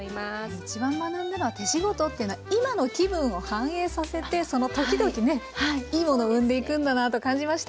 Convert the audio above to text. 一番学んだのは手仕事というのは今の気分を反映させてその時々ねいいものを生んでいくんだなあと感じました。